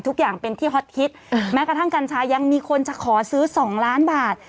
ทุกอย่างเป็นที่ฮอตฮิตแม้กระทั่งกัญชายังมีคนจะขอซื้อ๒ล้านบาท